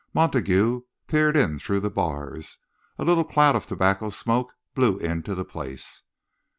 Montague peered in through the bars. A little cloud of tobacco smoke blew into the place.